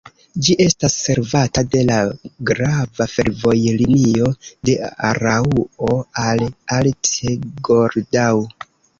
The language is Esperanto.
Ĝi estas servata de la grava fervojlinio de Araŭo al Arth-Goldau.